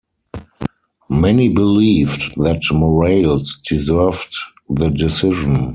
Many believed that Morales deserved the decision.